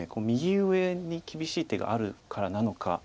右上に厳しい手があるからなのか。